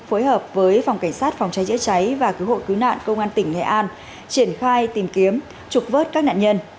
phối hợp với phòng cảnh sát phòng cháy chữa cháy và cứu hộ cứu nạn công an tỉnh nghệ an triển khai tìm kiếm trục vớt các nạn nhân